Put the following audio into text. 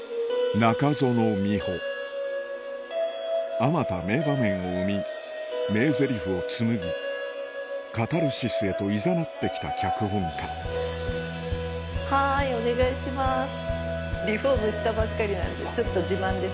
あまた名場面を生み名ぜりふをつむぎカタルシスへといざなって来た脚本家はいお願いします。